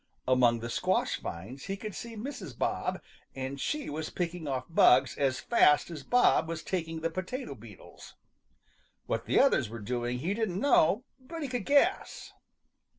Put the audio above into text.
Among the squash vines he could see Mrs. Bob, and she was picking off bugs as fast as Bob was taking the potato beetles. What the others were doing he didn't know, but he could guess.